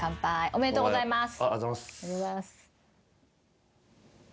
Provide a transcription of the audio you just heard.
ありがとうございます。